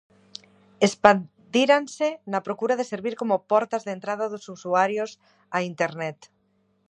Expandíranse na procura de servir como portas de entrada dos usuarios a Internet.